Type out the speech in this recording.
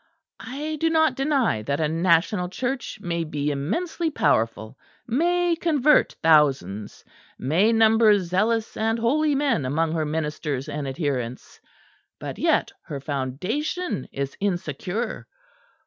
I do not deny that a National Church may be immensely powerful, may convert thousands, may number zealous and holy men among her ministers and adherents but yet her foundation is insecure.